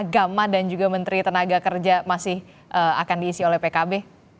gamma dan juga menteri tenaga kerja masih akan diisi oleh pkb